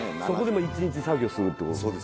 そこで一日作業するってこと？